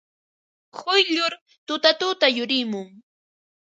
Quyllur tutatuta yurimun.